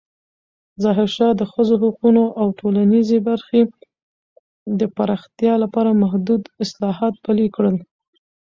ظاهرشاه د ښځو حقونو او ټولنیزې برخې د پراختیا لپاره محدود اصلاحات پلې کړل.